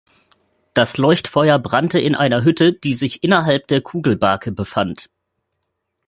Das Leuchtfeuer brannte in einer Hütte, die sich innerhalb der Kugelbake befand.